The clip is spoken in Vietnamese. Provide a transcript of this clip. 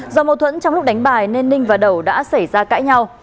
do mâu thuẫn trong lúc đánh bài nên ninh và đầu đã xảy ra cãi nhau